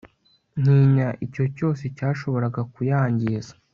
ntinya icyo cyose cyashobora kuyangiza